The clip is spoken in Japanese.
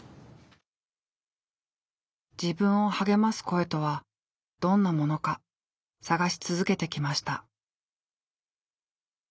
自分を励ます声とはどんなものか探し続けてきました。